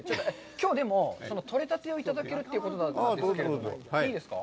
きょうでも、取れたてをいただけるということなんですけど、いいですか。